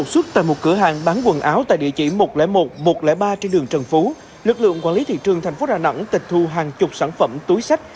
xuất tại một cửa hàng bán quần áo tại địa chỉ một trăm linh một một trăm linh ba trên đường trần phú lực lượng quản lý thị trường thành phố đà nẵng tịch thu hàng chục sản phẩm túi sách